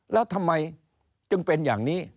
แล้วทำไมจึงเป็นอย่างนี้